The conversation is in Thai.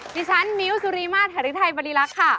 ดิฉันไม้วซูรีม่าแถดกไทยปณีรักษ์ค่ะ